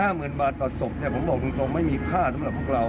หมื่นบาทต่อศพเนี่ยผมบอกตรงไม่มีค่าสำหรับพวกเรา